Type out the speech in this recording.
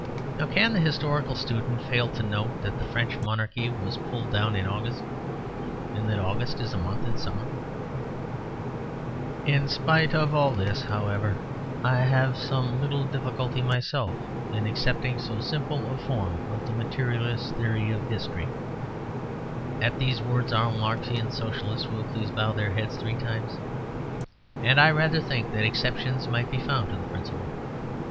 Nor can the historical student fail to note that the French monarchy was pulled down in August; and that August is a month in summer. In spite of all this, however, I have some little difficulty myself in accepting so simple a form of the Materialist Theory of History (at these words all Marxian Socialists will please bow their heads three times), and I rather think that exceptions might be found to the principle.